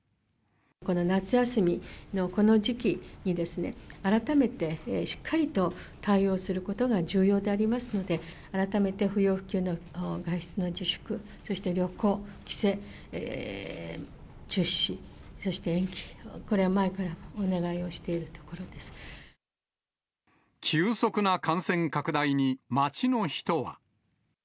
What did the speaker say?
この夏休みのこの時期にですね、改めてしっかりと対応することが重要でありますので、改めて不要不急の外出の自粛、そして旅行、帰省、中止、そして延期、これは前からお願いをしているところで急速な感染拡大に街の人は。